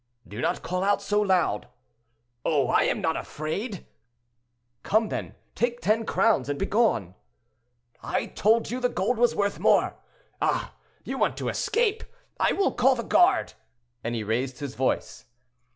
"—"Do not call out so loud." "Oh! I am not afraid." "Come, then, take ten crowns and begone." "I told you the gold was worth more. Ah! you want to escape; I will call the guard," and he raised his voice.